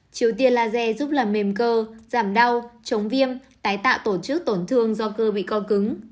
triều tiên laser giúp làm mềm cơ giảm đau chống viêm tái tạo tổ chức tổn thương do cơ bị co cứng